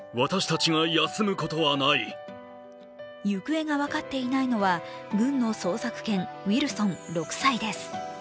行方が分かっていないのは軍の捜索犬・ウィルソン６歳です。